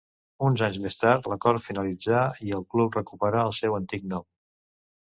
Uns anys més tard l'acord finalitzà i el club recuperà el seu antic nom.